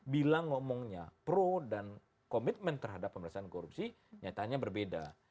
bilang ngomongnya pro dan komitmen terhadap pemerintahan korupsi nyatanya berbeda